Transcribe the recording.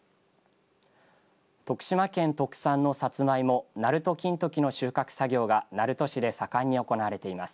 徳島県特産のサツマイモなると金時の収穫作業が鳴門市で盛んに行われています。